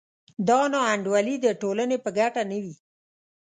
دا نا انډولي د ټولنې په ګټه نه وي.